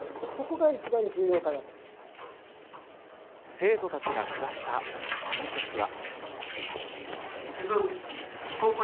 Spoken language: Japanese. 生徒たちが、くだした判決は。